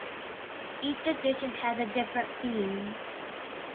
Each edition has a different theme.